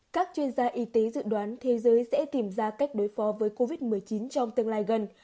các chuyên gia y tế dự đoán thế giới sẽ tìm ra cách đối phó với covid một mươi chín trong tương lai gần